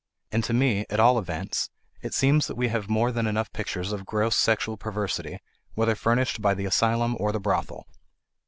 And to me, at all events, it seems that we have had more than enough pictures of gross sexual perversity, whether furnished by the asylum or the brothel.